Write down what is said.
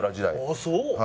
ああそう？